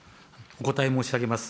お答え申し上げます。